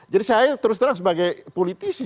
jadi saya terus terang sebagai politisi